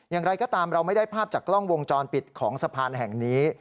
อย่างไรก็ตามเราไม่ได้ภาพจากกล้องวงจรปิดของสะพานแห่งนี้